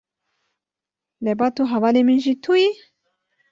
lebat û hevalê min jî tu yî?